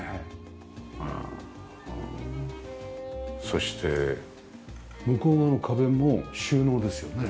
そして向こうの壁も収納ですよね？